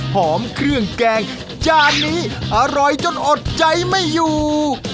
เครื่องแกงจานนี้อร่อยจนอดใจไม่อยู่